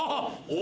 お！